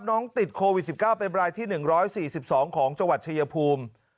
น้องติดโควิด๑๙เป็นรายที่๑๔๒ของจังหวัดชายภูมิ